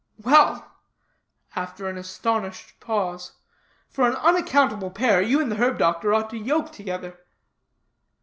"Well," after an astonished pause, "for an unaccountable pair, you and the herb doctor ought to yoke together."